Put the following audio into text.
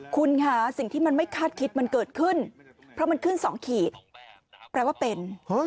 คุณค่ะสิ่งที่มันไม่คาดคิดมันเกิดขึ้นเพราะมันขึ้น๒ขีดแปลว่าเป็น